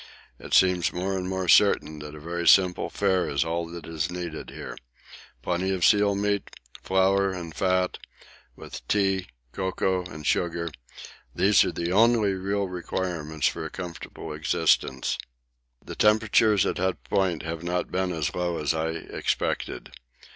It seems more and more certain that a very simple fare is all that is needed here plenty of seal meat, flour, and fat, with tea, cocoa, and sugar; these are the only real requirements for comfortable existence. The temperatures at Hut Point have not been as low as I expected.